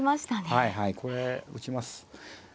はいはいこれ打ちます。